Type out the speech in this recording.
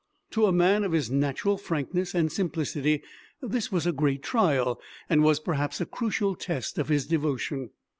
To a man of his natural frankness and simplicity this was a great trial, and was, perhaps, a crucial test of his devotion.